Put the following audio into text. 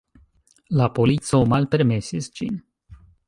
La polico malpermesis ĝin.